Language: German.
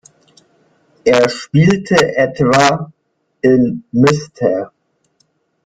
Er spielte etwa in "Mr.